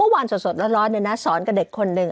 เมื่อวานสดแล้วร้อนเนี่ยนะสอนกับเด็กคนหนึ่ง